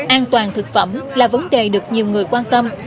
an toàn thực phẩm là vấn đề được nhiều người quan tâm